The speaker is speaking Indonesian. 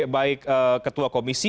baik ketua komisi